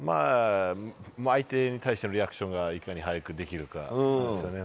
相手に対してのリアクションがいかに速くできるかですね。